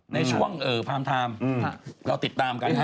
ในช่วงพร้อมเราติดตามกันนะ